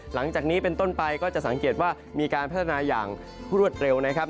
หลังจากนี้เป็นต้นไปก็จะสังเกตว่ามีการพัฒนาอย่างรวดเร็วนะครับ